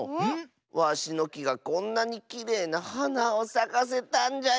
わしのきがこんなにきれいなはなをさかせたんじゃよ！